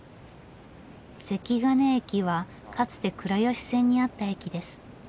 関金駅はかつて倉吉線にあった駅です。